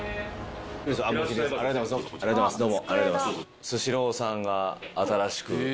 ありがとうございますどうも。